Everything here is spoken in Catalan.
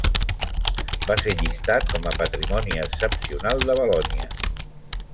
Va ser llistat com a Patrimoni excepcional de Valònia.